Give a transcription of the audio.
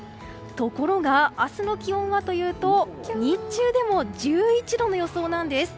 ところが、明日の気温はというと日中でも１１度の予想なんです。